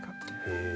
へえ。